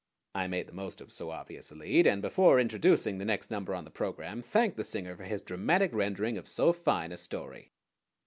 I made the most of so obvious a lead, and before introducing the next number on the program thanked the singer for his dramatic rendering of so fine a story.